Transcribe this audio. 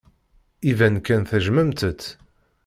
Iban kan tejjmemt-t.